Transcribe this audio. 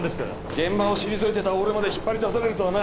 現場を退いてた俺まで引っ張り出されるとはな。